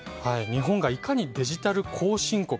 日本がいかにデジタル後進国